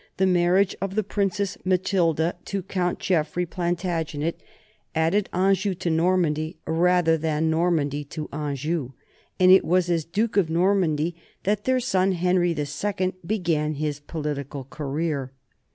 The marriage of the Princess Matilda to Count Geoffrey Plantagenet added 86 NORMANS IN EUROPEAN HISTORY Anjou to Normandy rather than Normandy to Anjou, and it was as duke of Normandy that their son Henry II began his political career.